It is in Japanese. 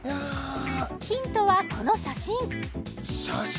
ヒントはこの写真写真？